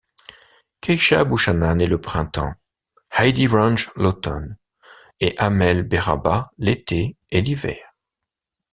Keisha Buchanan est le printemps, Heidi Range l'automne, et Amelle Berrabah l'été et l'hiver.